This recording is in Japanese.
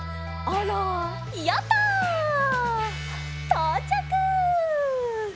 とうちゃく！